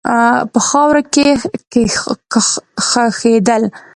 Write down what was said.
په خاوره کښې خښېدل